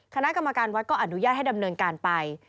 คณะกรรมการวัดก็อนุญาตให้ดำเนินการไป